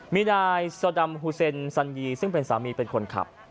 มีนายสอดัมฮูเซนซันยีซึ่งเป็นสามีเป็นคนขับ